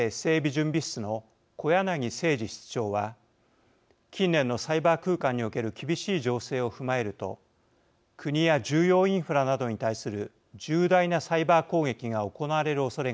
準備室の小柳誠二室長は「近年のサイバー空間における厳しい情勢を踏まえると国や重要インフラなどに対する重大なサイバー攻撃が行われるおそれがある。